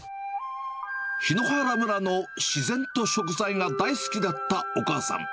檜原村の自然と食材が大好きだったお母さん。